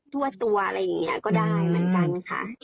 ทั่วตัวอะไรอย่างนี้ก็ได้เหมือนกันค่ะ